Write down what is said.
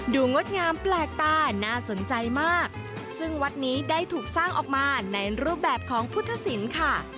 งดงามแปลกตาน่าสนใจมากซึ่งวัดนี้ได้ถูกสร้างออกมาในรูปแบบของพุทธศิลป์ค่ะ